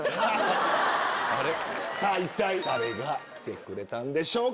さぁ一体誰が来てくれたんでしょうか？